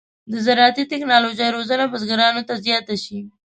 د زراعتي تکنالوژۍ روزنه بزګرانو ته زیاته شي.